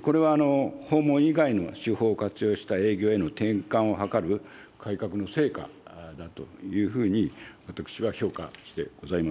これは訪問以外の手法を活用した営業への転換を図る改革の成果だというふうに、私は評価してございます。